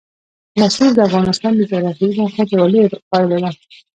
رسوب د افغانستان د جغرافیایي موقیعت یوه لویه پایله ده.